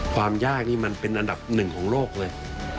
ความยากนี่มันเป็นอันดับหนึ่งของโลกเลย